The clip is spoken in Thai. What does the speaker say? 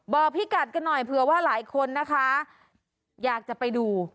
บอกพี่กัดกันหน่อยเผื่อว่าหลายคนนะคะอยากจะไปดู